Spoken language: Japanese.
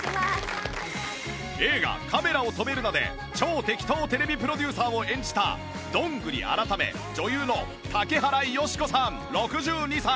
映画『カメラを止めるな！』で超テキトー ＴＶ プロデューサーを演じたどんぐり改め女優の竹原芳子さん６２歳